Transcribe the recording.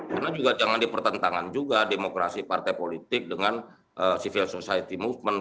karena juga jangan dipertentangan juga demokrasi partai politik dengan civil society movement